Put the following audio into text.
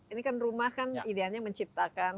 ini kan rumah kan idealnya menciptakan